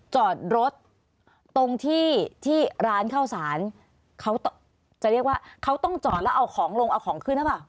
จอดรถตรงที่ที่ร้านข้าวสารเขาจะเรียกว่าเขาต้องจอดแล้วเอาของลงเอาของขึ้นหรือเปล่า